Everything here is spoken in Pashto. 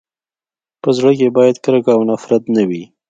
په زړه کي باید کرکه او نفرت نه وي.